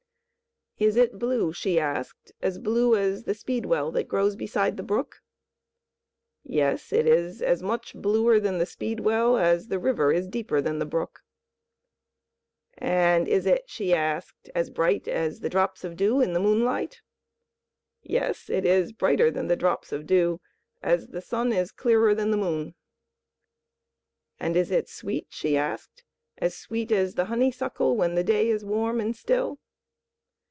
"Is it blue," she asked, "as blue as the speedwell that grows beside the brook?" "Yes, it is as much bluer than the speedwell, as the river is deeper than the brook." "And is it," she asked, "as bright as the drops of dew in the moonlight?" "Yes, it is brighter than the drops of dew as the sun is clearer than the moon." "And is it sweet," she asked, "as sweet as the honeysuckle when the day is warm and still?"